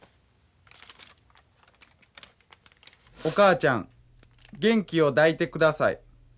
「お母ちゃん元気を出いて下さい。